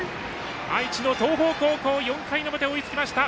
愛知の東邦高校４回の表、追いつきました。